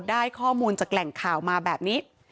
ได้ข้อมูลจากแหล่งข่าวมาแบบนี้